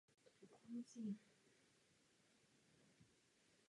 Často se jednalo o zajišťovací obchody.